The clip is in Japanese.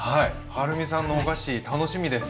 はるみさんのお菓子楽しみです。